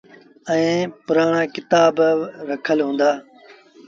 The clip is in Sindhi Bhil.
ائيٚݩ پُرآڻآ ڪتآب با رکل هُݩدآ۔